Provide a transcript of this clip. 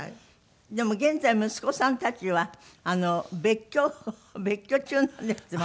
でも現在息子さんたちは別居中なんですって？